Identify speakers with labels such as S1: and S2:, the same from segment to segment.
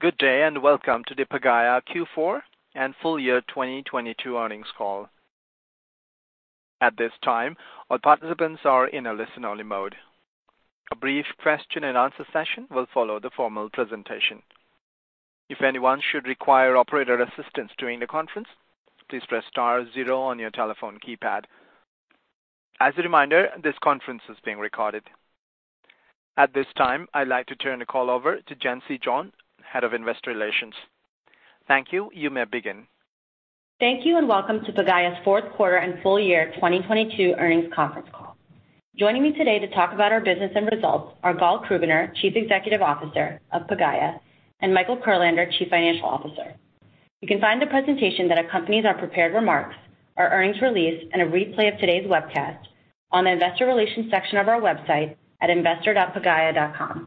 S1: Good day, welcome to the Pagaya Q4 and Full Year 2022 Earnings Call. At this time, all participants are in a listen-only mode. A brief question-and-answer session will follow the formal presentation. If anyone should require operator assistance during the conference, please press star zero on your telephone keypad. As a reminder, this conference is being recorded. At this time, I'd like to turn the call over to Jency John, Head of Investor Relations. Thank you. You may begin.
S2: Thank you. Welcome to Pagaya's Q4 and full year 2022 earnings conference call. Joining me today to talk about our business and results are Gal Krubiner, Chief Executive Officer of Pagaya, and Michael Kurlander, Chief Financial Officer. You can find the presentation that accompanies our prepared remarks, our earnings release, and a replay of today's webcast on the investor relations section of our website at investor.pagaya.com.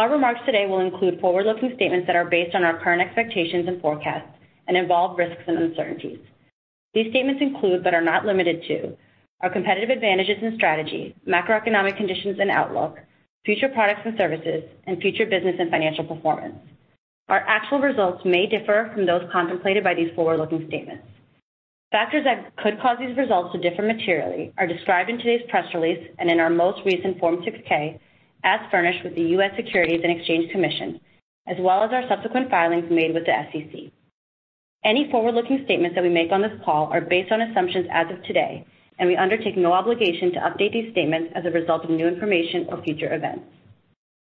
S2: Our remarks today will include forward-looking statements that are based on our current expectations and forecasts and involve risks and uncertainties. These statements include, but are not limited to our competitive advantages and strategy, macroeconomic conditions and outlook, future products and services, and future business and financial performance. Our actual results may differ from those contemplated by these forward-looking statements. Factors that could cause these results to differ materially are described in today's press release and in our most recent Form 6-K as furnished with the U.S. Securities and Exchange Commission, as well as our subsequent filings made with the SEC. Any forward-looking statements that we make on this call are based on assumptions as of today, and we undertake no obligation to update these statements as a result of new information or future events.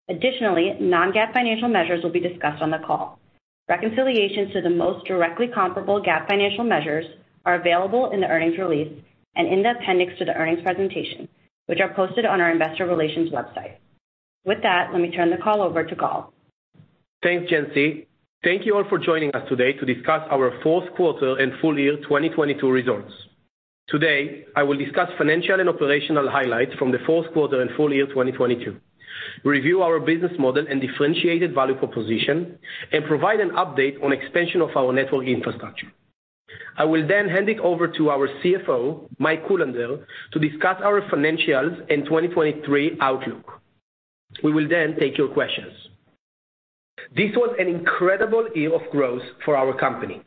S2: Additionally, non-GAAP financial measures will be discussed on the call. Reconciliations to the most directly comparable GAAP financial measures are available in the earnings release and in the appendix to the earnings presentation, which are posted on our investor relations website. With that, let me turn the call over to Gal.
S3: Thanks, Jency. Thank you all for joining us today to discuss our Q4 and full year 2022 results. Today, I will discuss financial and operational highlights from the Q4 and full year 2022, review our business model and differentiated value proposition, and provide an update on expansion of our network infrastructure. I will then hand it over to our CFO, Mike Kurlander, to discuss our financials and 2023 outlook. We will take your questions. This was an incredible year of growth for our company.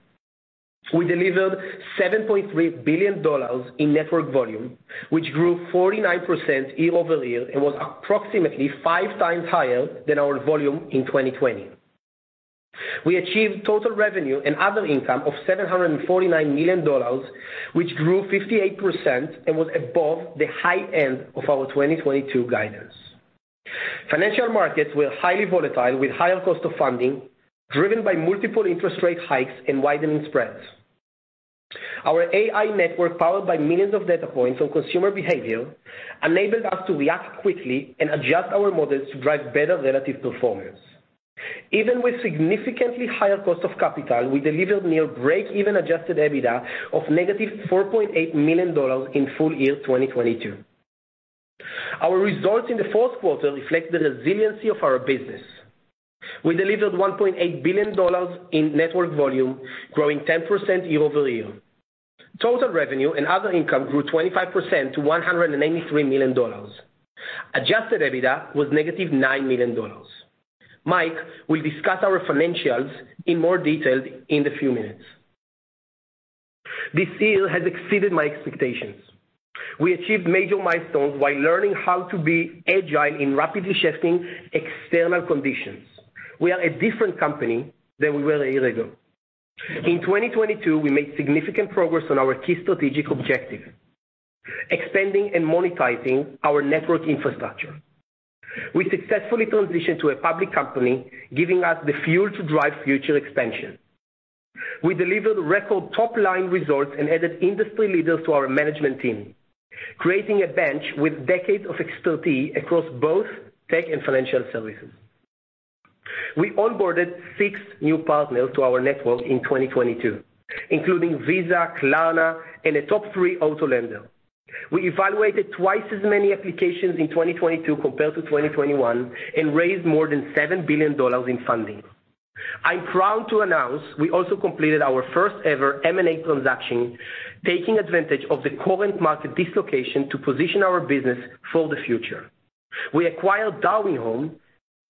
S3: We delivered $7.3 billion in Network Volume, which grew 49% year-over-year and was approximately 5x higher than our volume in 2020. We achieved total revenue and other income of $749 million, which grew 58% and was above the high end of our 2022 guidance. Financial markets were highly volatile with higher cost of funding driven by multiple interest rate hikes and widening spreads. Our AI network, powered by millions of data points on consumer behavior, enabled us to react quickly and adjust our models to drive better relative performance. Even with significantly higher cost of capital, we delivered near break-even adjusted EBITDA of -$4.8 million in full year 2022. Our results in the Q4 reflect the resiliency of our business. We delivered $1.8 billion in Network Volume, growing 10% year-over-year. Total revenue and other income grew 25% to $183 million. Adjusted EBITDA was -$9 million. Mike will discuss our financials in more detail in a few minutes. This year has exceeded my expectations. We achieved major milestones while learning how to be agile in rapidly shifting external conditions. We are a different company than we were a year ago. In 2022, we made significant progress on our key strategic objective, expanding and monetizing our network infrastructure. We successfully transitioned to a public company, giving us the fuel to drive future expansion. We delivered record top-line results and added industry leaders to our management team, creating a bench with decades of expertise across both tech and financial services. We onboarded six new partners to our network in 2022, including Visa, Klarna, and a top three auto lender. We evaluated twice as many applications in 2022 compared to 2021 and raised more than $7 billion in funding. I'm proud to announce we also completed our first-ever M&A transaction, taking advantage of the current market dislocation to position our business for the future. We acquired Darwin Homes,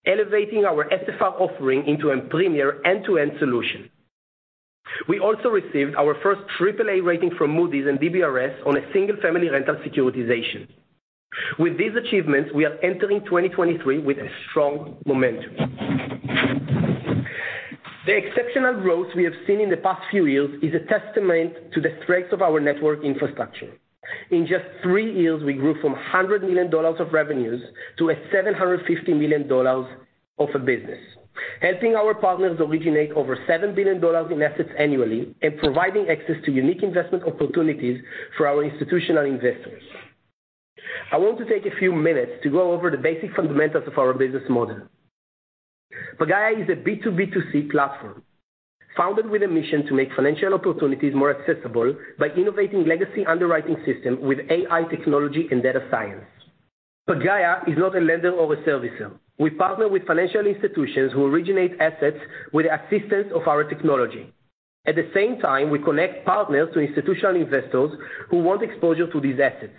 S3: elevating our SFR offering into a premier end-to-end solution. We also received our first AAA rating from Moody's and DBRS on a single-family rental securitization. With these achievements, we are entering 2023 with a strong momentum. The exceptional growth we have seen in the past few years is a testament to the strength of our network infrastructure. In just three years, we grew from $100 million of revenues to a $750 million of a business, helping our partners originate over $7 billion in assets annually and providing access to unique investment opportunities for our institutional investors. I want to take a few minutes to go over the basic fundamentals of our business model. Pagaya is a B2B2C platform founded with a mission to make financial opportunities more accessible by innovating legacy underwriting system with AI technology and data science. Pagaya is not a lender or a servicer. We partner with financial institutions who originate assets with the assistance of our technology. At the same time, we connect partners to institutional investors who want exposure to these assets,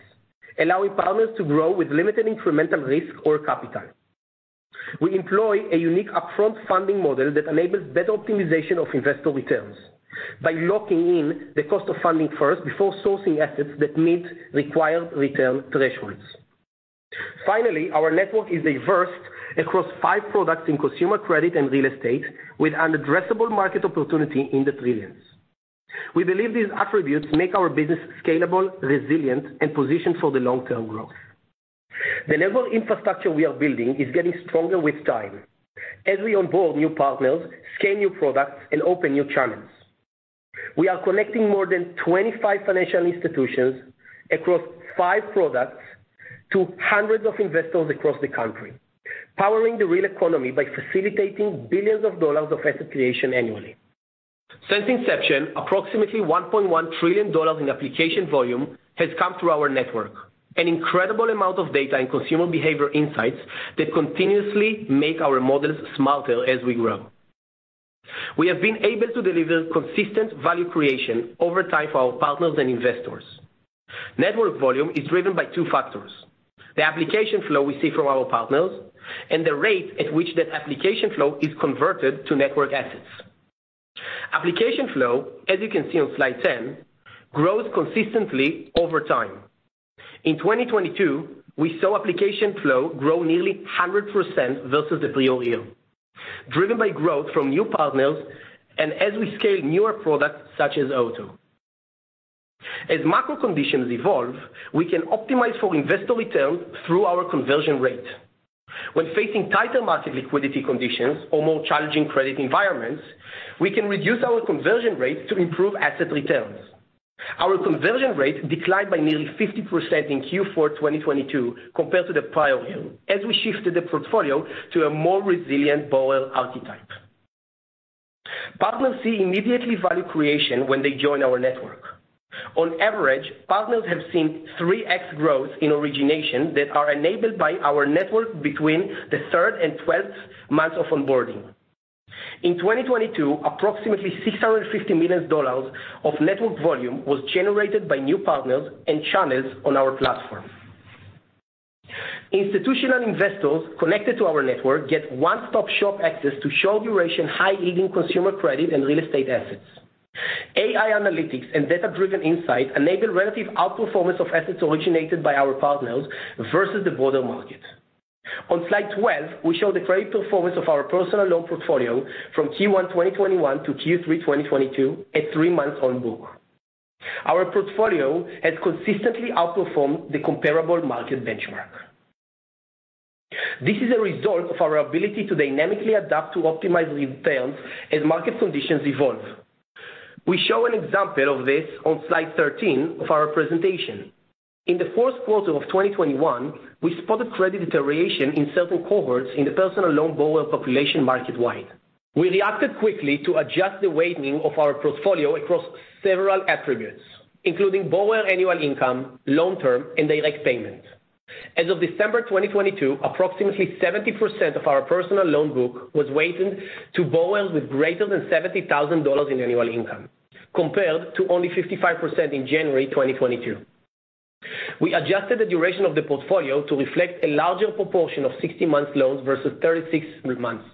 S3: allowing partners to grow with limited incremental risk or capital. We employ a unique upfront funding model that enables better optimization of investor returns by locking in the cost of funding first before sourcing assets that meet required return thresholds. Finally, our network is diverse across five products in consumer credit and real estate with an addressable market opportunity in the trillions. We believe these attributes make our business scalable, resilient, and positioned for the long-term growth. The network infrastructure we are building is getting stronger with time as we onboard new partners, scale new products, and open new channels. We are connecting more than 25 financial institutions across five products to hundreds of investors across the country, powering the real economy by facilitating billions of dollars of asset creation annually. Since inception, approximately $1.1 trillion in application volume has come through our network, an incredible amount of data and consumer behavior insights that continuously make our models smarter as we grow. We have been able to deliver consistent value creation over time for our partners and investors. Network Volume is driven by two factors: the application flow we see from our partners and the rate at which that application flow is converted to network assets. Application flow, as you can see on slide 10, grows consistently over time. In 2022, we saw application flow grow nearly 100% versus the prior year, driven by growth from new partners and as we scale newer products such as Auto. As macro conditions evolve, we can optimize for investor returns through our conversion rate. When facing tighter market liquidity conditions or more challenging credit environments, we can reduce our conversion rates to improve asset returns. Our conversion rate declined by nearly 50% in Q4 2022 compared to the prior year, as we shifted the portfolio to a more resilient borrower archetype. Partners see immediately value creation when they join our network. On average, partners have seen 3x growth in origination that are enabled by our network between the third and 12th months of onboarding. In 2022, approximately $650 million of Network Volume was generated by new partners and channels on our platform. Institutional investors connected to our network get one-stop-shop access to short-duration, high-yielding consumer credit and real estate assets. AI analytics and data-driven insight enable relative outperformance of assets originated by our partners versus the broader market. On slide 12, we show the credit performance of our personal loan portfolio from Q1, 2021 to Q3, 2022 at three months on book. Our portfolio has consistently outperformed the comparable market benchmark. This is a result of our ability to dynamically adapt to optimize returns as market conditions evolve. We show an example of this on slide 13 of our presentation. In the Q4 of 2021, we spotted credit deterioration in certain cohorts in the personal loan borrower population market-wide. We reacted quickly to adjust the weighting of our portfolio across several attributes, including borrower annual income, long term, and direct payment. As of December 2022, approximately 70% of our personal loan book was weighted to borrowers with greater than $70,000 in annual income, compared to only 55% in January 2022. We adjusted the duration of the portfolio to reflect a larger proportion of 60-month loans versus 36 months.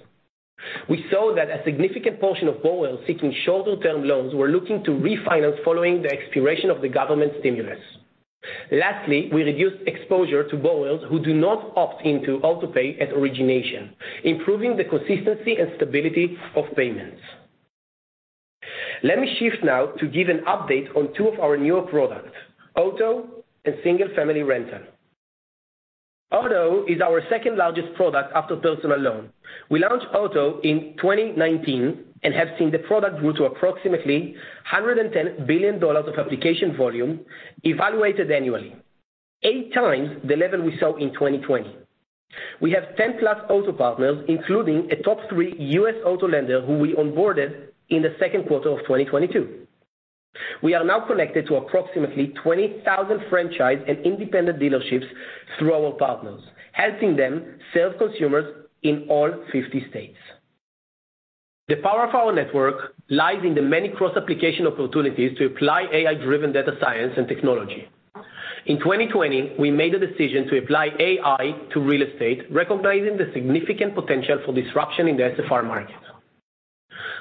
S3: We saw that a significant portion of borrowers seeking shorter term loans were looking to refinance following the expiration of the government stimulus. Lastly, we reduced exposure to borrowers who do not opt into autopay at origination, improving the consistency and stability of payments. Let me shift now to give an update on two of our newer products, Auto and Single Family Rental. Auto is our second-largest product after personal loan. We launched Auto in 2019 and have seen the product grow to approximately $110 billion of application volume evaluated annually, 8x the level we saw in 2020. We have 10 plus Auto partners, including a top three U.S. Auto lender who we onboarded in the Q2 of 2022. We are now connected to approximately 20,000 franchise and independent dealerships through our partners, helping them sell to consumers in all 50 states. The power of our network lies in the many cross-application opportunities to apply AI-driven data science and technology. In 2020, we made the decision to apply AI to real estate, recognizing the significant potential for disruption in the SFR market.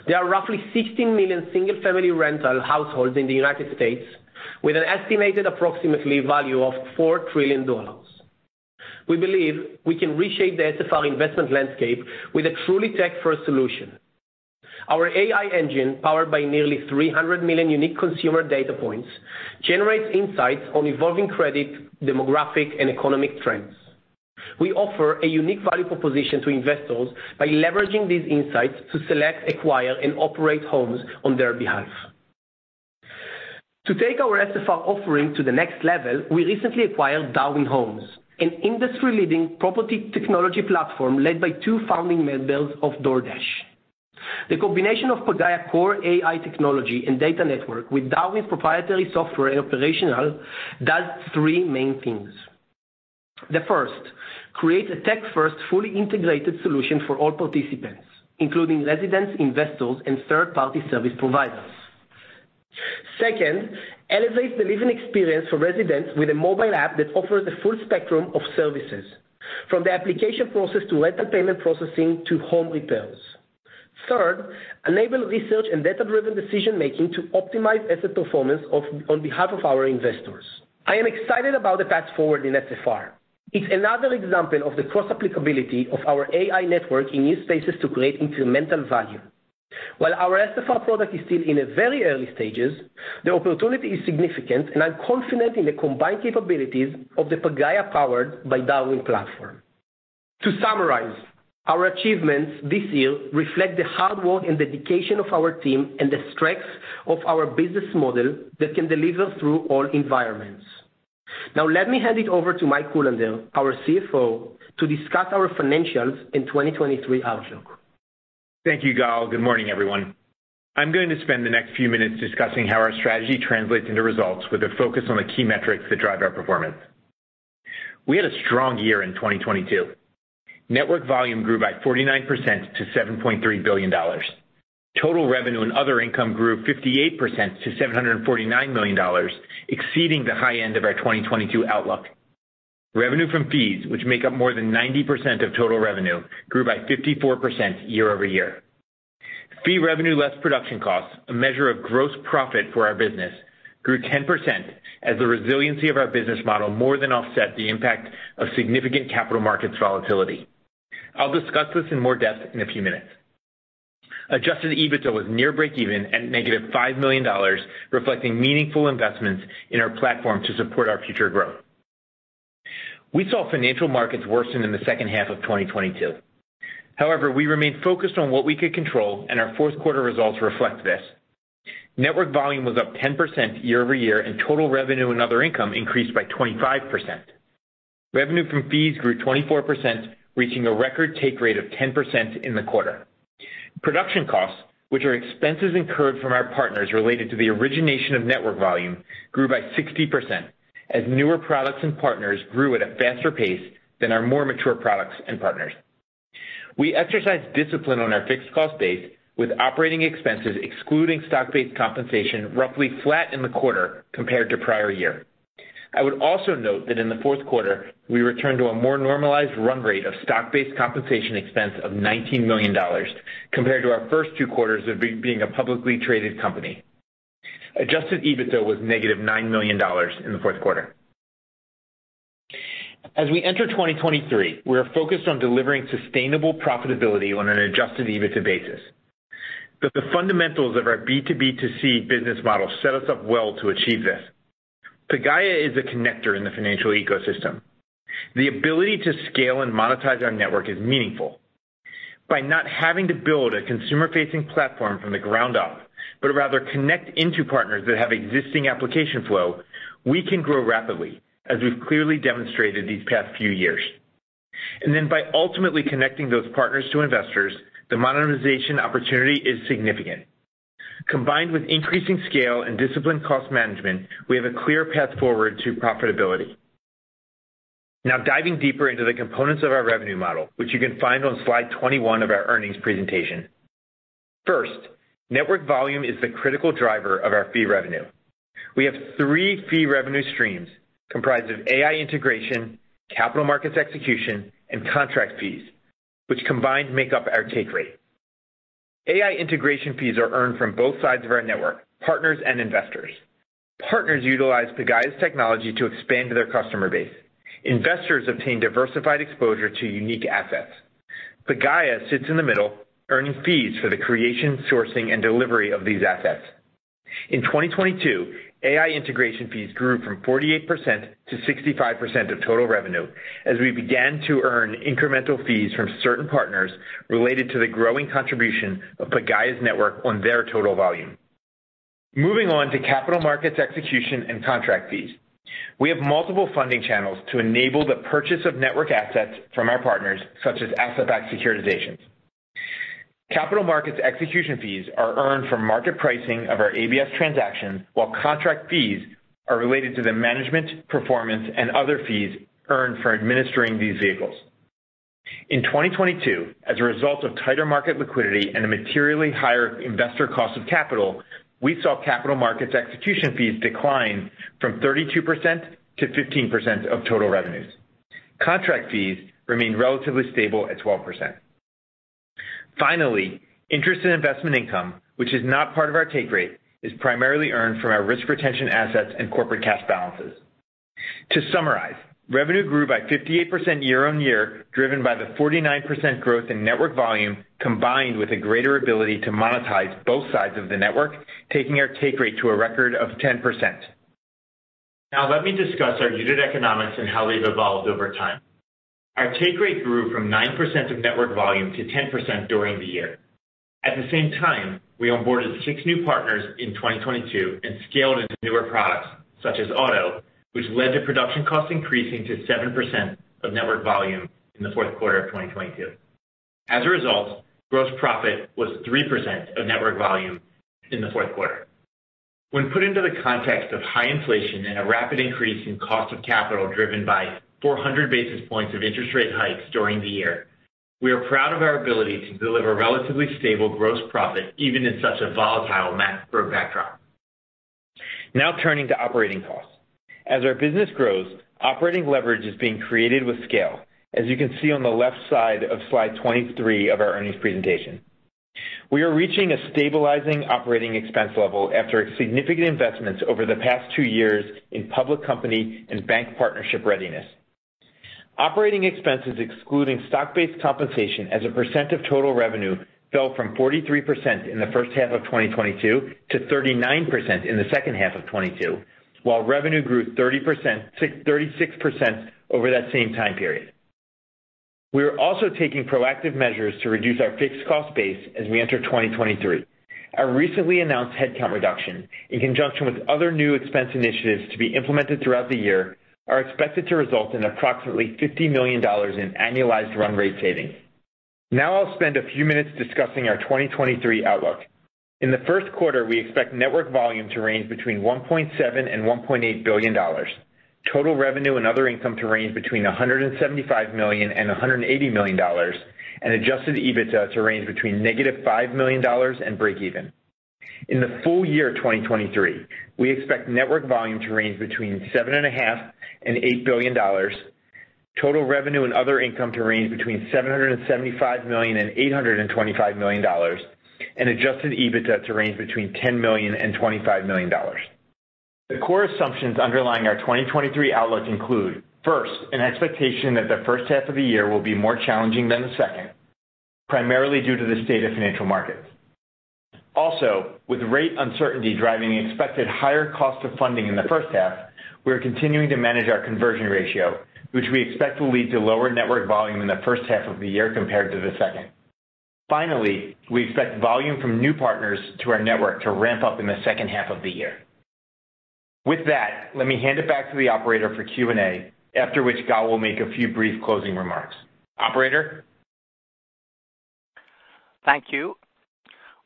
S3: There are roughly 16 million single-family rental households in the United States, with an estimated approximately value of $4 trillion. We believe we can reshape the SFR investment landscape with a truly tech-first solution. Our AI engine, powered by nearly 300 million unique consumer data points, generates insights on evolving credit, demographic, and economic trends. We offer a unique value proposition to investors by leveraging these insights to select, acquire, and operate homes on their behalf. To take our SFR offering to the next level, we recently acquired Darwin Homes, an industry-leading property technology platform led by two founding members of DoorDash. The combination of Pagaya core AI technology and data network with Darwin's proprietary software and operational does three main things. The first, create a tech-first fully integrated solution for all participants, including residents, investors, and third-party service providers. Second, elevate the living experience for residents with a mobile app that offers the full spectrum of services, from the application process to rental payment processing to home repairs. Third, enable research and data-driven decision-making to optimize asset performance of, on behalf of our investors. I am excited about the path forward in SFR. It's another example of the cross-applicability of our AI network in new spaces to create incremental value. While our SFR product is still in the very early stages, the opportunity is significant, and I'm confident in the combined capabilities of the Pagaya powered by Darwin platform. To summarize, our achievements this year reflect the hard work and dedication of our team and the strengths of our business model that can deliver through all environments. Let me hand it over to Mike Kurlander, our CFO, to discuss our financials in 2023 outlook.
S4: Thank you, Gal. Good morning, everyone. I'm going to spend the next few minutes discussing how our strategy translates into results with a focus on the key metrics that drive our performance. We had a strong year in 2022. Network Volume grew by 49% to $7.3 billion. Total revenue and other income grew 58% to $749 million, exceeding the high end of our 2022 outlook. Revenue from fees, which make up more than 90% of total revenue, grew by 54% year-over-year. Fee revenue less Production Costs, a measure of gross profit for our business, grew 10% as the resiliency of our business model more than offset the impact of significant capital markets volatility. I'll discuss this in more depth in a few minutes. Adjusted EBITDA was near breakeven at -$5 million, reflecting meaningful investments in our platform to support our future growth. We saw financial markets worsen in the second half of 2022. However, we remained focused on what we could control, and our Q4 results reflect this. Network Volume was up 10% year-over-year, and total revenue and other income increased by 25%. Revenue from fees grew 24%, reaching a record take rate of 10% in the quarter. Production Costs, which are expenses incurred from our partners related to the origination of Network Volume, grew by 60% as newer products and partners grew at a faster pace than our more mature products and partners. We exercise discipline on our fixed cost base with operating expenses, excluding stock-based compensation, roughly flat in the quarter compared to prior year. I would also note that in the Q4, we returned to a more normalized run rate of stock-based compensation expense of $19 million compared to our first two quarters of being a publicly traded company. Adjusted EBITDA was -$9 million in the Q4. As we enter 2023, we are focused on delivering sustainable profitability on an Adjusted EBITDA basis. The fundamentals of our B2B2C business model set us up well to achieve this. Pagaya is a connector in the financial ecosystem. The ability to scale and monetize our network is meaningful. By not having to build a consumer-facing platform from the ground up, but rather connect into partners that have existing application flow, we can grow rapidly, as we've clearly demonstrated these past few years. By ultimately connecting those partners to investors, the monetization opportunity is significant. Combined with increasing scale and disciplined cost management, we have a clear path forward to profitability. Now, diving deeper into the components of our revenue model, which you can find on slide 21 of our earnings presentation. First, Network Volume is the critical driver of our fee revenue. We have three fee revenue streams comprised of AI integration, capital markets execution, and contract fees, which combined make up our take rate. AI integration fees are earned from both sides of our network, partners and investors. Partners utilize Pagaya's technology to expand their customer base. Investors obtain diversified exposure to unique assets. Pagaya sits in the middle, earning fees for the creation, sourcing, and delivery of these assets. In 2022, AI integration fees grew from 48% to 65% of total revenue as we began to earn incremental fees from certain partners related to the growing contribution of Pagaya's network on their total volume. Moving on to capital markets execution and contract fees. We have multiple funding channels to enable the purchase of network assets from our partners, such as asset-backed securitizations. Capital markets execution fees are earned from market pricing of our ABS transactions, while contract fees are related to the management, performance, and other fees earned for administering these vehicles. In 2022, as a result of tighter market liquidity and a materially higher investor cost of capital, we saw capital markets execution fees decline from 32% to 15% of total revenues. Contract fees remained relatively stable at 12%. Finally, interest in investment income, which is not part of our take rate, is primarily earned from our risk retention assets and corporate cash balances. To summarize, revenue grew by 58% year-over-year, driven by the 49% growth in network volume, combined with a greater ability to monetize both sides of the network, taking our take rate to a record of 10%. Let me discuss our unit economics and how they've evolved over time. Our take rate grew from 9% of network volume to 10% during the year. At the same time, we onboarded six new partners in 2022 and scaled into newer products such as auto, which led to production costs increasing to 7% of network volume in the Q4, 2022. Gross profit was 3% of Network Volume in the Q4. When put into the context of high inflation and a rapid increase in cost of capital driven by 400 basis points of interest rate hikes during the year, we are proud of our ability to deliver relatively stable gross profit even in such a volatile backdrop. Turning to operating costs. Our business grows, operating leverage is being created with scale, as you can see on the left side of slide 23 of our earnings presentation. We are reaching a stabilizing operating expense level after significant investments over the past two years in public company and bank partnership readiness. Operating expenses excluding stock-based compensation as a percent of total revenue fell from 43% in the first half of 2022 to 39% in the H2 of 2022, while revenue grew 30%, 36% over that same time period. We are also taking proactive measures to reduce our fixed cost base as we enter 2023. Our recently announced headcount reduction, in conjunction with other new expense initiatives to be implemented throughout the year, are expected to result in approximately $50 million in annualized run rate savings. I'll spend a few minutes discussing our 2023 outlook. In the Q1, we expect Network Volume to range between $1.7 billion and $1.8 billion. Total revenue and other income to range between $175 million and $180 million, and Adjusted EBITDA to range between -$5 million and breakeven. In the full year of 2023, we expect Network Volume to range between $7.5 billion and $8 billion. Total revenue and other income to range between $775 million and $825 million, and Adjusted EBITDA to range between $10 million and $25 million. The core assumptions underlying our 2023 outlook include, first, an expectation that the H1 of the year will be more challenging than the second, primarily due to the state of financial markets. With rate uncertainty driving the expected higher cost of funding in the H1, we are continuing to manage our conversion ratio, which we expect will lead to lower Network Volume in the H1 of the year compared to the second. We expect volume from new partners to our network to ramp up in the second half of the year. Let me hand it back to the operator for Q&A, after which Gal will make a few brief closing remarks. Operator.
S1: Thank you.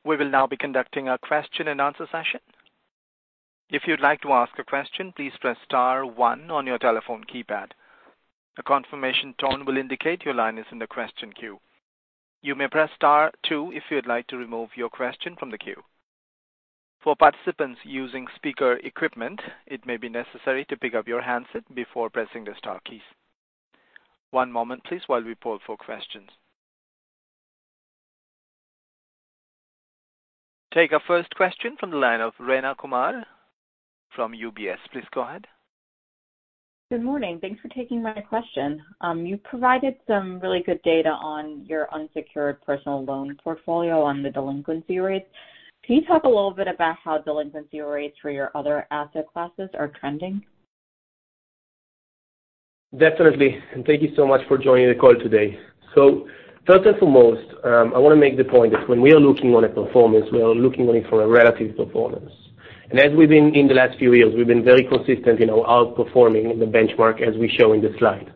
S1: We will now be conducting a question and answer session. If you'd like to ask a question, please press star one on your telephone keypad. A confirmation tone will indicate your line is in the question queue. You may press star two if you'd like to remove your question from the queue. For participants using speaker equipment, it may be necessary to pick up your handset before pressing the star key. One moment, please, while we poll for questions. Take our first question from the line of Rayna Kumar from UBS. Please go ahead.
S5: Good morning. Thanks for taking my question. You provided some really good data on your unsecured personal loan portfolio on the delinquency rates. Can you talk a little bit about how delinquency rates for your other asset classes are trending?
S3: Definitely. Thank you so much for joining the call today. First and foremost, I want to make the point that when we are looking on a performance, we are looking only for a relative performance. As we've been in the last few years, we've been very consistent in our outperforming the benchmark, as we show in the slide.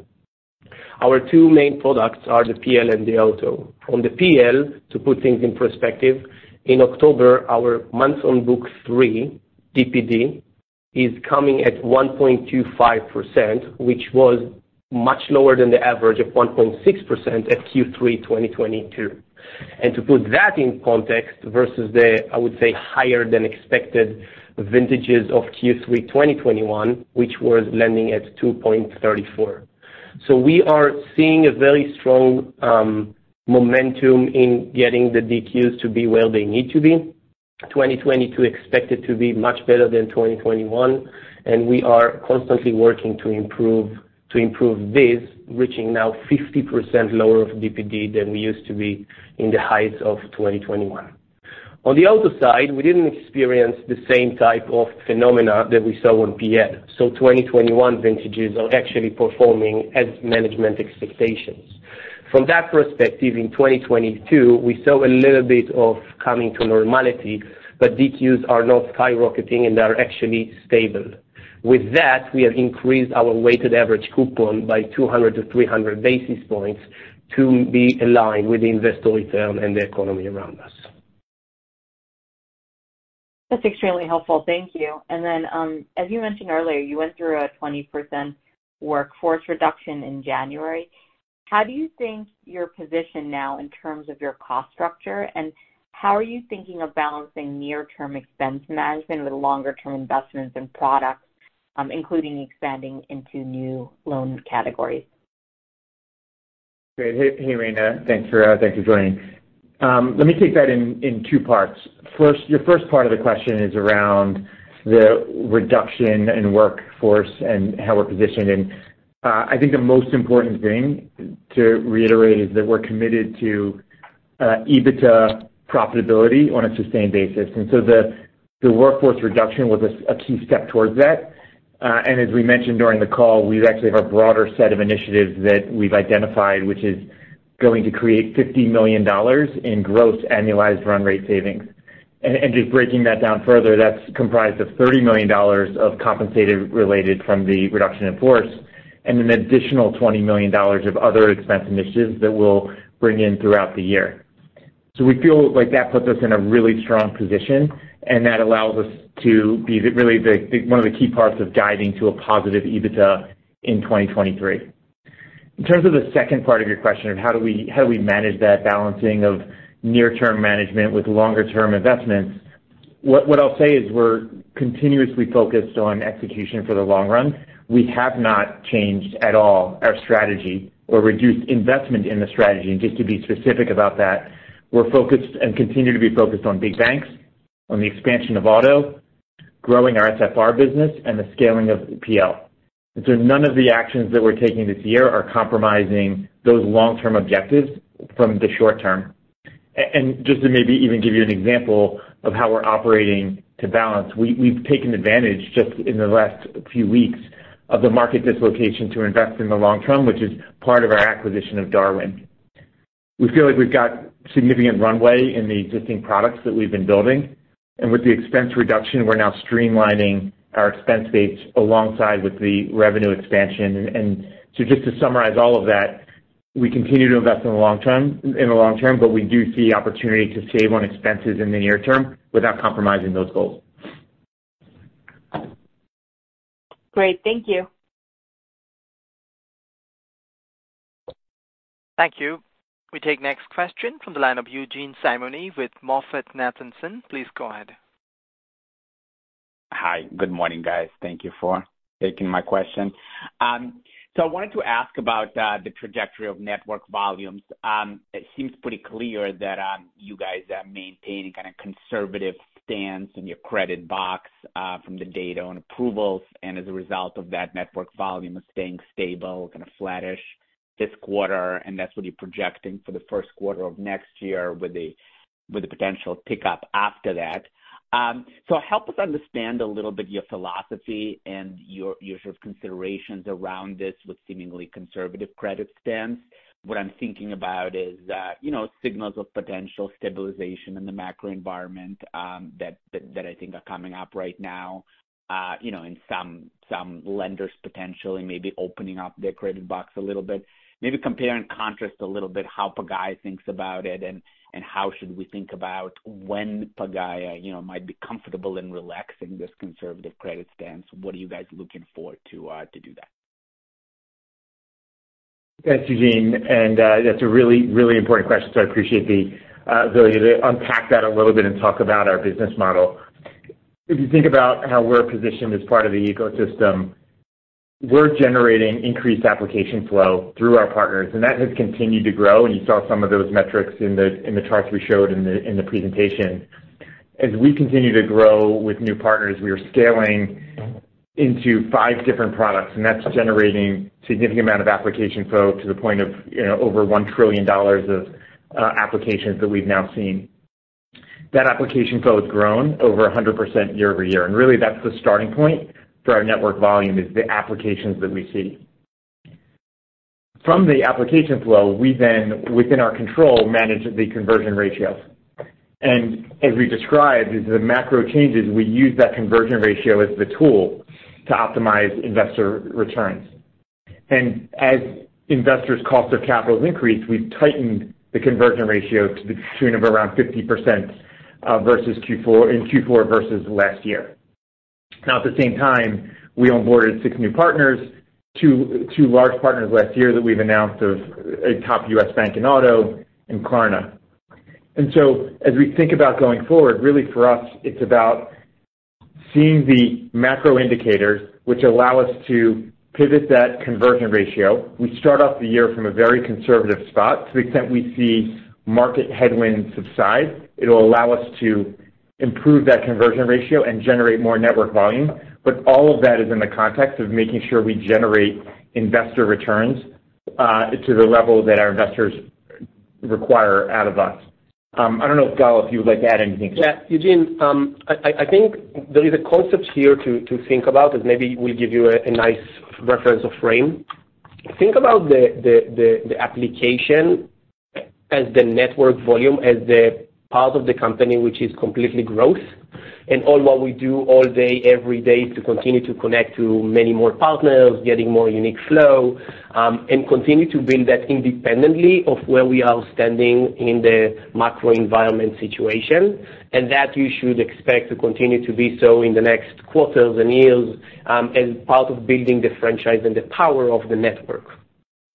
S3: Our two main products are the PL and the auto. On the PL, to put things in perspective, in October, our months on Book 3 DPD is coming at 1.25%, which was much lower than the average of 1.6% at Q3 2022. To put that in context versus the, I would say, higher than expected vintages of Q3 2021, which was lending at 2.34. We are seeing a very strong momentum in getting the DQs to be where they need to be. 2022 expected to be much better than 2021, we are constantly working to improve this, reaching now 50% lower of DPD than we used to be in the heights of 2021. On the auto side, we didn't experience the same type of phenomena that we saw on PL. So, 2021 vintages are actually performing as management expectations. From that perspective, in 2022, we saw a little bit of coming to normality, but DQs are not skyrocketing, and they are actually stable. With that, we have increased our weighted average coupon by 200-300 basis points to be aligned with the investor return and the economy around us.
S5: That's extremely helpful. Thank you. As you mentioned earlier, you went through a 20% workforce reduction in January. How do you think you're positioned now in terms of your cost structure? How are you thinking of balancing near-term expense management with longer-term investments in products, including expanding into new loan categories?
S4: Great. Hey, Rayna. Thanks for, thank you for joining. Let me take that in two parts. First, your first part of the question is around the reduction in workforce and how we're positioned. I think the most important thing to reiterate is that we're committed to EBITDA profitability on a sustained basis. The workforce reduction was a key step towards that. As we mentioned during the call, we actually have a broader set of initiatives that we've identified, which is going to create $50 million in gross annualized run rate savings. Just breaking that down further, that's comprised of $30 million of compensated related from the reduction in force and an additional $20 million of other expense initiatives that we'll bring in throughout the year. We feel like that puts us in a really strong position, and that allows us to be one of the key parts of guiding to a positive EBITDA in 2023. In terms of the second part of your question. How do we, how we managed that balancing of near-term management with longer-term investments, what I'll say is we're continuously focused on execution for the long run. We have not changed at all our strategy or reduced investment in the strategy. Just to be specific about that, we're focused and continue to be focused on big banks, on the expansion of auto, growing our SFR business, and the scaling of PL. None of the actions that we're taking this year are compromising those long-term objectives from the short term. Just to maybe even give you an example of how we're operating to balance. We've taken advantage just in the last few weeks of the market dislocation to invest in the long term, which is part of our acquisition of Darwin. We feel like we've got significant runway in the existing products that we've been building, and with the expense reduction, we're now streamlining our expense base alongside with the revenue expansion. Just to summarize all of that, we continue to invest in the long term, but we do see opportunity to save on expenses in the near term without compromising those goals.
S5: Great. Thank you.
S1: Thank you. We take next question from the line of Eugene Simuni with MoffettNathanson. Please go ahead.
S6: Hi. Good morning, guys. Thank you for taking my question. I wanted to ask about the trajectory of Network Volumes. It seems pretty clear that you guys are maintaining kind of conservative stance in your credit box from the data on approvals. As a result of that, Network Volume is staying stable, kind of flattish this quarter, and that's what you're projecting for the Q1 of next year with a potential pickup after that. Help us understand a little bit your philosophy and your considerations around this with seemingly conservative credit stance? What I'm thinking about is, you know, signals of potential stabilization in the macro environment, that I think are coming up right now, you know, and some lenders potentially maybe opening up their credit box a little bit. Maybe compare and contrast a little bit how Pagaya thinks about it and how should we think about when Pagaya, you know, might be comfortable in relaxing this conservative credit stance. What are you guys looking for to do that?
S4: Thanks, Eugene, and that's a really important question, so I appreciate the ability to unpack that a little bit and talk about our business model. If you think about how we're positioned as part of the ecosystem, we're generating increased application flow through our partners, and that has continued to grow. You saw some of those metrics in the charts we showed in the presentation. As we continue to grow with new partners, we are scaling into five different products, and that's generating significant amount of application flow to the point of, you know, over $1 trillion of applications that we've now seen. That application flow has grown over 100% year-over-year, really that's the starting point for our Network Volume, is the applications that we see. From the application flow, we then, within our control, manage the conversion ratios. As we described, the macro changes, we use that conversion ratio as the tool to optimize investor returns. As investors' cost of capital has increased, we've tightened the conversion ratio to the tune of around 50% in Q4 versus last year. At the same time, we onboarded six new partners, two large partners last year that we've announced of a top U.S. bank in Auto and Klarna. As we think about going forward, really for us it's about seeing the macro indicators which allow us to pivot that conversion ratio. We start off the year from a very conservative spot. To the extent we see market headwinds subside, it'll allow us to improve that conversion ratio and generate more network volume. All of that is in the context of making sure we generate investor returns, to the level that our investors require out of us. I don't know, Gal, if you would like to add anything?
S3: Yeah. Eugene, I think there is a concept here to think about that maybe will give you a nice reference of frame. Think about the application as the Network Volume, as the part of the company which is completely growth. All what we do all day, every day is to continue to connect to many more partners, getting more unique flow, and continue to build that independently of where we are standing in the macro environment situation. That you should expect to continue to be so in the next quarters and years, as part of building the franchise and the power of the network.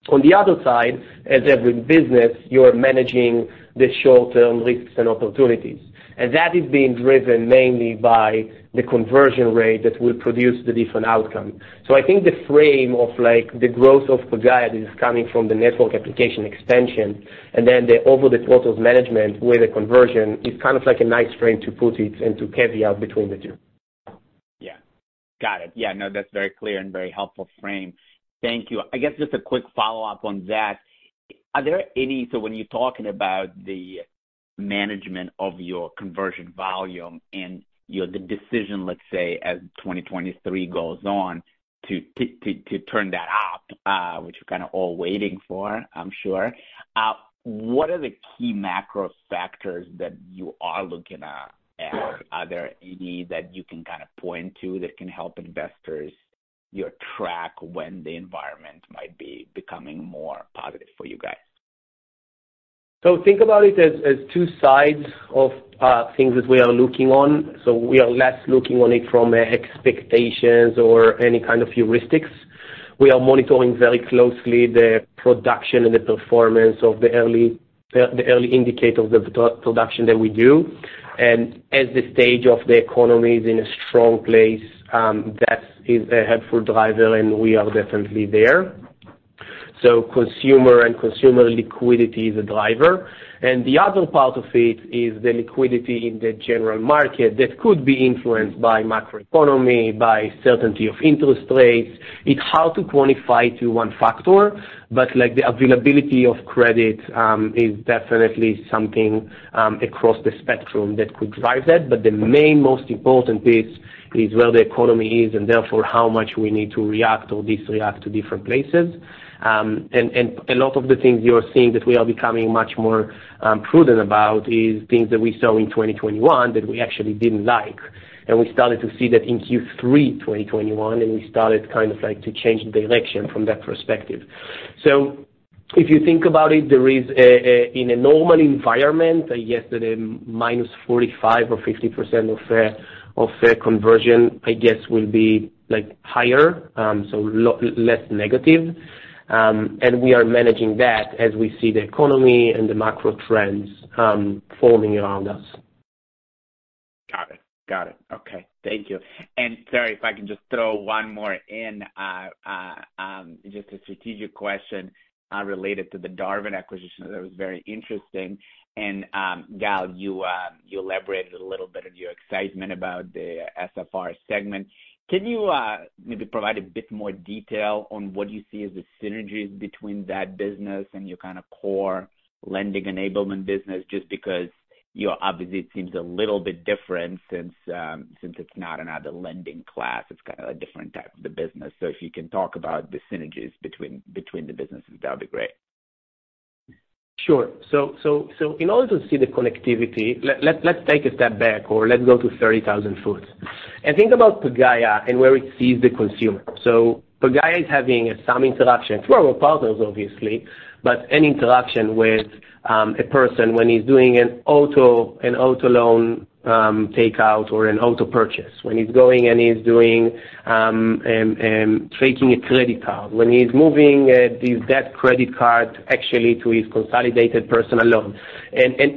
S3: On the other side, as every business, you are managing the short-term risks and opportunities, and that is being driven mainly by the conversion rate that will produce the different outcome. I think the frame of like the growth of Pagaya is coming from the network application expansion and then the over-the-top of management with the conversion is kind of like a nice frame to put it and to caveat between the two.
S6: Yeah. Got it. Yeah. That's very clear and very helpful frame. Thank you. I guess just a quick follow-up on that. So when you're talking about the management of your conversion volume and the decision, let's say, as 2023 goes on to turn that up, which we're kind of all waiting for, I'm sure. What are the key macro factors that you are looking at? Are there any that you can point to that can help investors track when the environment might be becoming more positive for you guys?
S3: Think about it as two sides of things that we are looking on. We are less looking on it from expectations or any kind of heuristics. We are monitoring very closely the production and the performance of the early, the early indicator of the pro-production that we do. As the stage of the economy is in a strong place, that is a helpful driver, and we are definitely there. Consumer and consumer liquidity is a driver. The other part of it, is the liquidity in the general market that could be influenced by macro economy, by certainty of interest rates. It's hard to quantify to one factor, but like the availability of credit, is definitely something across the spectrum that could drive that. The main most important piece is where the economy is and therefore how much we need to react or dis-react to different places. A lot of the things you're seeing that we are becoming much more prudent about is things that we saw in 2021 that we actually didn't like. We started to see that in Q3 2021, and we started like to change direction from that perspective. If you think about it, there is a in a normal environment, yesterday, -45% or 50% of conversion, I guess, will be, like, higher, so less negative. We are managing that as we see the economy and the macro trends forming around us.
S6: Got it. Got it. Okay. Thank you. Sorry if I can just throw one more in, just a strategic question related to the Darwin acquisition. That was very interesting. Gal, you elaborated a little bit of your excitement about the SFR segment. Can you maybe provide a bit more detail on what you see as the synergies between that business and your kind of core lending enablement business, just because your opposite seems a little bit different since it's not another lending class, it's kind of a different type of the business? If you can talk about the synergies between the businesses, that'd be great.
S3: Sure. In order to see the connectivity, let's take a step back or let's go to 30,000 foot. Think about Pagaya and where it sees the consumer. Pagaya is having some interaction through our partners, obviously, but an interaction with a person when he's doing an auto, an auto loan, takeout or an auto purchase, when he's going and he's doing taking a credit card, when he's moving that credit card actually to his consolidated personal loan.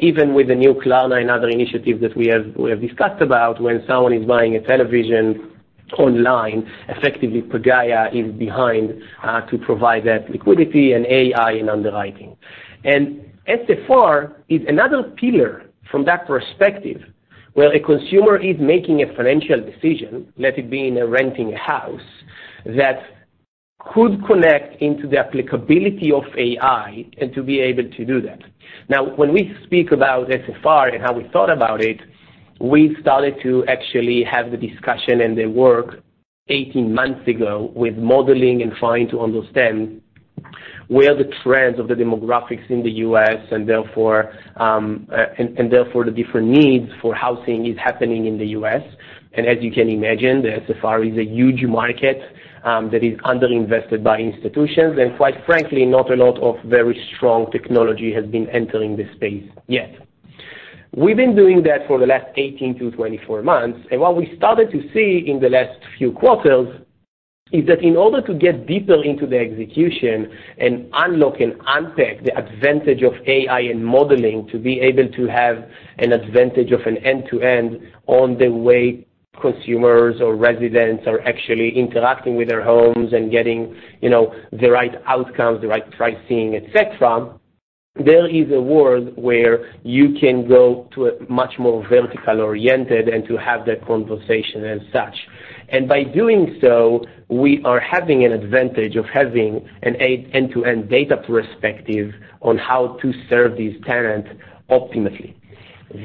S3: Even with the new cloud and other initiatives that we have, we have discussed about when someone is buying a television online, effectively, Pagaya is behind to provide that liquidity and AI in underwriting. SFR is another pillar from that perspective, where a consumer is making a financial decision, let it be in a renting a house, that could connect into the applicability of AI and to be able to do that. When we speak about SFR and how we thought about it, we started to actually have the discussion and the work 18 months ago with modeling and trying to understand where the trends of the demographics in the U.S. and therefore the different needs for housing is happening in the U.S. As you can imagine, the SFR is a huge market that is underinvested by institutions, and quite frankly, not a lot of very strong technology has been entering the space yet. We've been doing that for the last 18-24 months. What we started to see in the last few quarters is that in order to get deeper into the execution and unlock and unpack the advantage of AI and modelling to be able to have an advantage of an end-to-end on the way consumers or residents are actually interacting with their homes and getting, you know, the right outcomes, the right pricing, et cetera, there is a world where you can go to a much more vertical-oriented and to have that conversation as such. By doing so, we are having an end-to-end data perspective on how to serve these tenants optimally.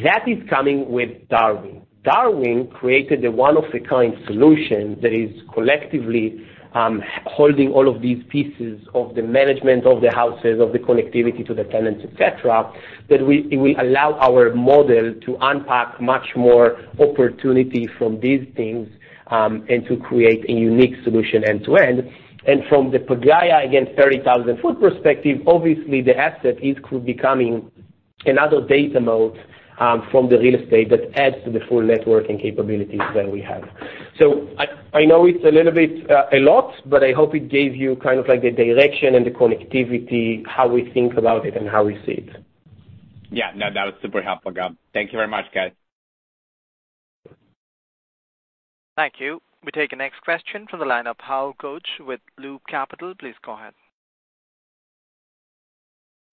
S3: That is coming with Darwin. Darwin created a one of a kind solution that is collectively holding all of these pieces of the management of the houses, of the connectivity to the tenants, et cetera, that it will allow our model to unpack much more opportunity from these things, and to create a unique solution end-to-end. From the Pagaya, again, 30,000-foot perspective, obviously the asset is could becoming another data mode from the real estate that adds to the full network and capabilities that we have. I know it's a little bit, a lot, but I hope it gave you kind of like the direction and the connectivity, how we think about it and how we see it.
S6: Yeah. That was super helpful, Gal. Thank you very much, guys.
S1: Thank you. We take the next question from the line of Hal Goetsch with Loop Capital. Please go ahead.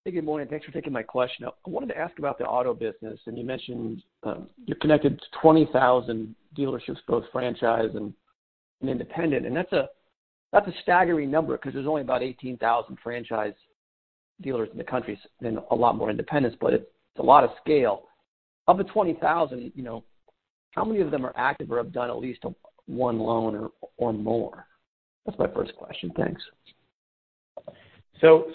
S7: Hey, good morning. Thanks for taking my question. I wanted to ask about the auto business. You mentioned, you're connected to 20,000 dealerships, both franchise and independent. That's a staggering number because there's only about 18,000 franchise dealers in the country and a lot more independents. It's a lot of scale. Of the 20,000, you know, how many of them are active or have done at least one loan or more? That's my first question. Thanks.
S3: Can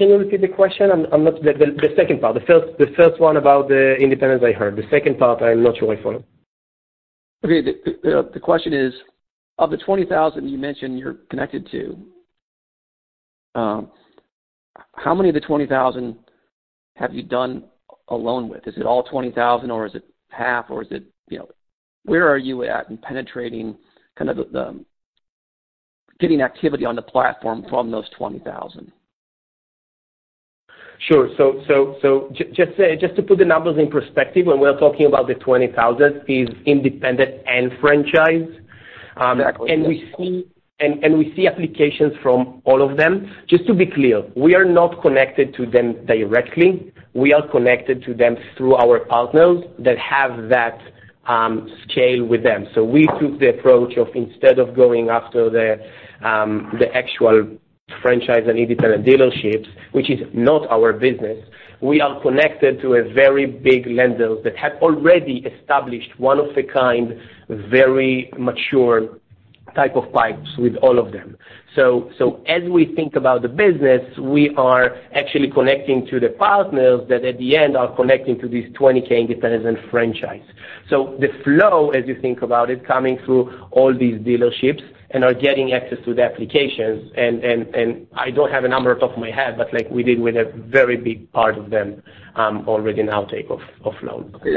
S3: you repeat the question? I'm not, the second part. The first one about the independents I heard. The second part, I'm not sure I follow.
S7: Okay. The question is, of the 20,000 you mentioned you're connected to, how many of the 20,000 have you done a loan with? Is it all 20,000 or is it half or is it, you know? Where are you at in penetrating kind of the getting activity on the platform from those 20,000?
S3: Sure. Just to put the numbers in perspective, when we are talking about the 20,000 is independent and franchise.
S4: Exactly.
S3: We see applications from all of them. Just to be clear, we are not connected to them directly. We are connected to them through our partners that have that scale with them. We took the approach of instead of going after the actual franchise and independent dealerships, which is not our business. We are connected to a very big lenders that have already established one of a kind, very mature type of pipes with all of them. As we think about the business, we are actually connecting to the partners that at the end are connecting to these 20,000 independents and franchise. The flow, as you think about it, coming through all these dealerships and are getting access to the applications and I don't have a number off the top of my head, but like we did with a very big part of them, already in outtake of loans.
S7: Okay.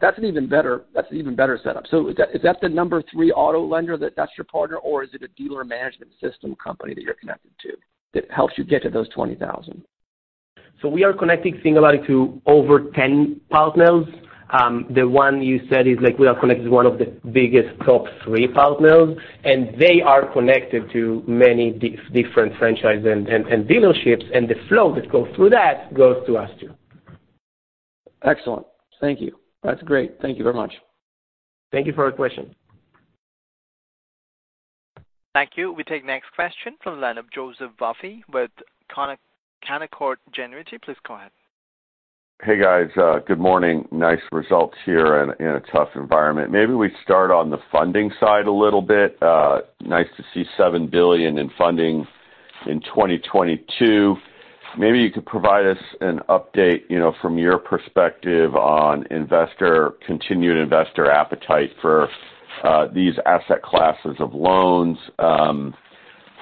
S7: That's an even better setup. Is that the number three auto lender that's your partner, or is it a dealer management system company that you're connected to that helps you get to those 20,000?
S3: We are connecting [similarly] to over 10 partners. The one you said is like we are connected to one of the biggest top three partners, and they are connected to many different franchise and dealerships, and the flow that goes through that goes to us too.
S7: Excellent. Thank you. That's great. Thank you very much.
S3: Thank you for your question.
S1: Thank you. We take next question from the line of Joseph Vafi with Canaccord Genuity. Please go ahead.
S8: Hey, guys. Good morning. Nice results here in a tough environment. Maybe we start on the funding side a little bit. Nice to see $7 billion in funding in 2022. Maybe you could provide us an update, you know, from your perspective on continued investor appetite for these asset classes of loans,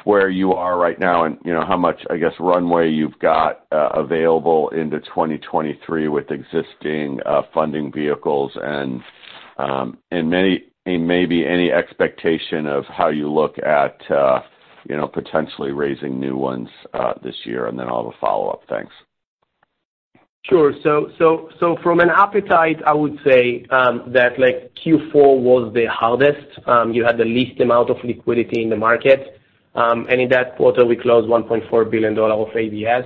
S8: where you are right now and, you know, how much, I guess, runway you've got available into 2023 with existing funding vehicles and maybe any expectation of how you look at, you know, potentially raising new ones this year. I'll have a follow-up. Thanks.
S3: Sure. From an appetite, I would say that like Q4 was the hardest. You had the least amount of liquidity in the market. In that quarter, we closed $1.4 billion of ABS.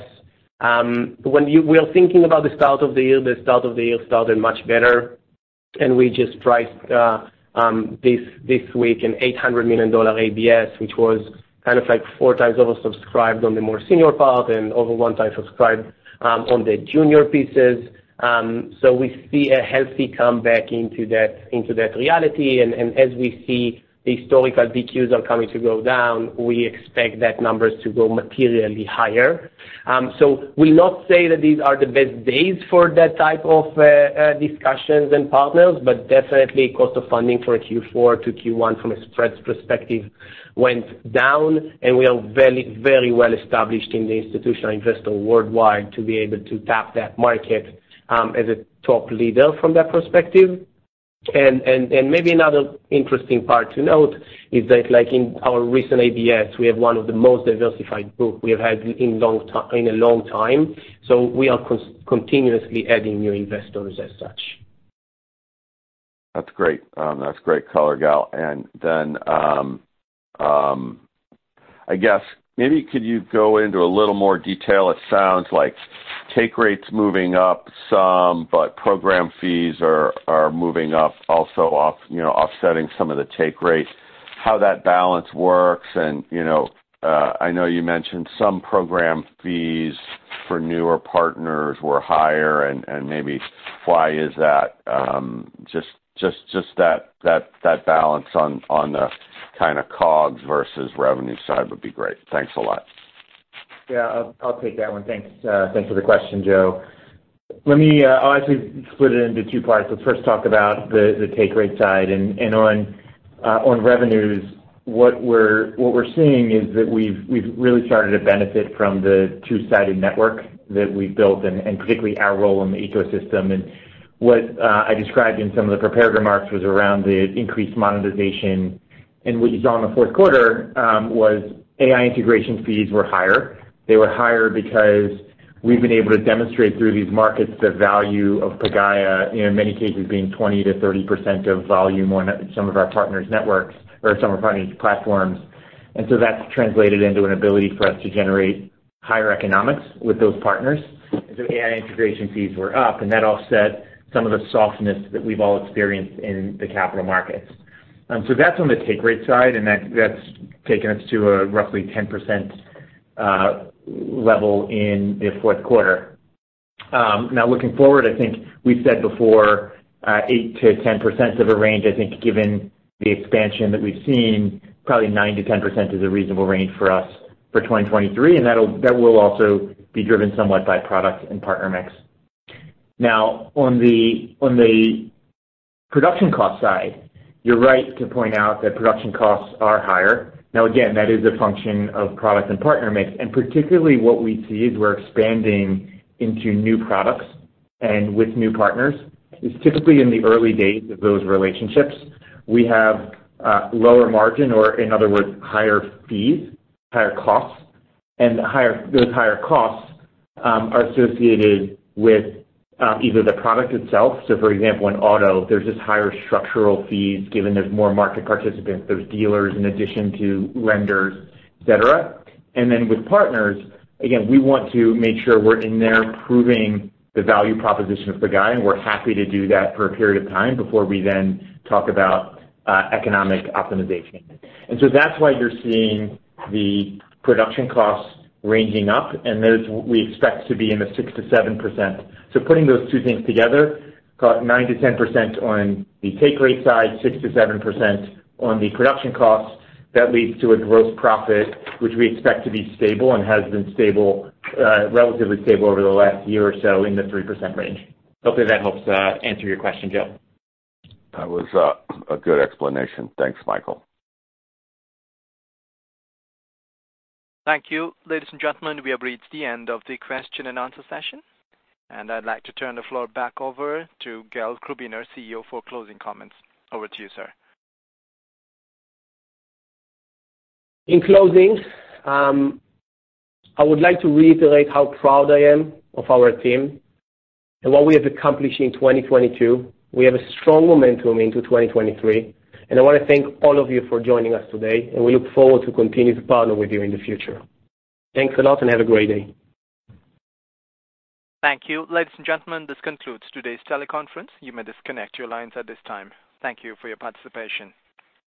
S3: When we are thinking about the start of the year, the start of the year started much better, and we just priced this week an $800 million ABS, which was like four times oversubscribed on the more senior part and over one time subscribed on the junior pieces. We see a healthy comeback into that, into that reality. As we see historical VQs are coming to go down, we expect that numbers to go materially higher. We'll not say that these are the best days for that type of discussions and partners, but definitely cost of funding for a Q4 to Q1 from a spreads perspective went down. We are very well established in the institutional investor worldwide to be able to tap that market as a top leader from that perspective. Maybe another interesting part to note is that like in our recent ABS, we have one of the most diversified group we have had in a long time. We are continuously adding new investors as such.
S8: That's great. That's great color, Gal. I guess maybe could you go into a little more detail. It sounds like take rates moving up some, but program fees are moving up also off, you know, offsetting some of the take rates. How that balance works and, you know, I know you mentioned some program fees for newer partners were higher and maybe why is that? Just that balance on the COGS versus revenue side would be great. Thanks a lot.
S4: Yeah, I'll take that one. Thanks, thanks for the question, Joe. Let me, I'll actually split it into two parts. Let's first talk about the take rate side and on revenues, what we're, what we're seeing is that we've really started to benefit from the two-sided network that we've built and particularly our role in the ecosystem. What I described in some of the prepared remarks was around the increased monetization. What you saw in the Q4 was AI integration fees were higher. They were higher because we've been able to demonstrate through these markets the value of Pagaya in many cases being 20%-30% of volume on some of our partners networks or some of our partners platforms. That's translated into an ability for us to generate higher economics with those partners. AI integration fees were up, and that offset some of the softness that we've all experienced in the capital markets. That's on the take rate side, and that's taken us to a roughly 10% level in the Q4. Now looking forward, I think we've said before, 8%-10% of a range, I think given the expansion that we've seen, probably 9%-10% is a reasonable range for us for 2023, and that will also be driven somewhat by product and partner mix. Now on the production costs side, you're right to point out that production costs are higher. Now again, that is a function of product and partner mix. Particularly what we see is we're expanding into new products and with new partners is typically in the early days of those relationships we have lower margin or in other words higher fees, higher costs. Those higher costs are associated with either the product itself. For example in auto, there's just higher structural fees given there's more market participants. There's dealers in addition to lenders, et cetera. Then with partners, again we want to make sure we're in there proving the value proposition of Pagaya and we're happy to do that for a period of time before we then talk about economic optimization. That's why you're seeing the production costs ranging up and those we expect to be in the 6%-7%. Putting those two things together, about 9%-10% on the take rate side, 6%-7% on the production costs, that leads to a gross profit which we expect to be stable and has been stable, relatively stable over the last year or so in the 3% range. Hopefully that helps, answer your question, Joe.
S8: That was a good explanation. Thanks, Michael.
S1: Thank you. Ladies and gentlemen, we have reached the end of the question and answer session, and I'd like to turn the floor back over to Gal Krubiner, CEO for closing comments. Over to you, sir.
S3: In closing, I would like to reiterate how proud I am of our team and what we have accomplished in 2022. We have a strong momentum into 2023. I wanna thank all of you for joining us today. We look forward to continuing to partner with you in the future. Thanks a lot and have a great day.
S1: Thank you. Ladies and gentlemen, this concludes today's teleconference. You may disconnect your lines at this time. Thank you for your participation.